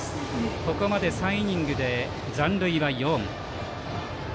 ここまで３イニングで残塁４。